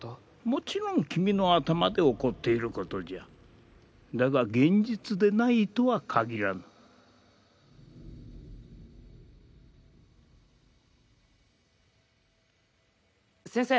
もちろん君の頭で起こっていることじゃだが現実でないとは限らぬ先生！